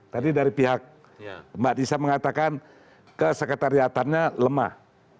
tadi dari pihak mbak tisa mengatakan kesekretariatannya lemah